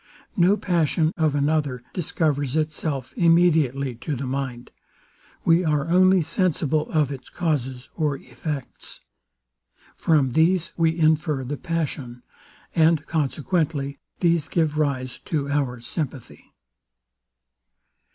No passion of another discovers itself immediately to the mind. We are only sensible of its causes or effects. From these we infer the passion: And consequently these give rise to our sympathy.